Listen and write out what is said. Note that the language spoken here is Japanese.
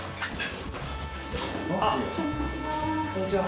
こんにちは。